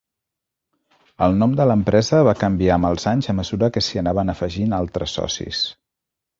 El nom de l'empresa va canviar amb els anys a mesura que s'hi anaven afegint altres socis.